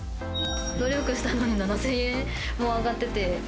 努力したのに７０００円も上がってて。